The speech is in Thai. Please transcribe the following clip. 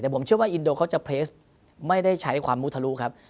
แต่ผมเชื่อว่าอินโดเขาจะเพลสไม่ได้ใช้ความมุทะลุครับ